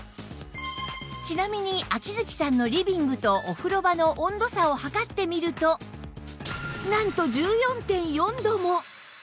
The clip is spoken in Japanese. ちなみに秋月さんのリビングとお風呂場の温度差を測ってみるとなんと １４．４ 度も！